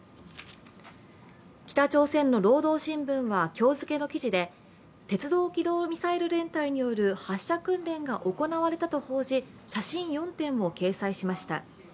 北朝鮮の「労働新聞」は今日付の記事で鉄道機動ミサイル連隊による発射訓練が行われたと報じ写真４点を掲載しました。